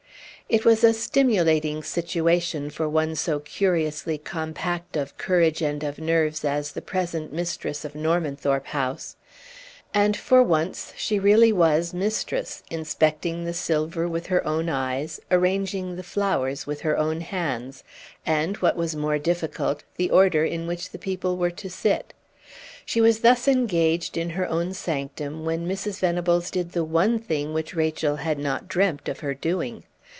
It was a stimulating situation for one so curiously compact of courage and of nerves as the present mistress of Normanthorpe House; and for once she really was mistress, inspecting the silver with her own eyes, arranging the flowers with her own hands, and, what was more difficult, the order in which the people were to sit. She was thus engaged, in her own sanctum, when Mrs. Venables did the one thing which Rachel had not dreamt of her doing.